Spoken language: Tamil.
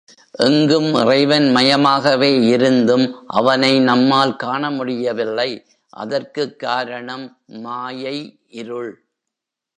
எங்கும் இறைவன் மயமாகவே இருந்தும் அவனை நம்மால் காண முடியவில்லை அதற்குக் காரணம் மாயை இருள்.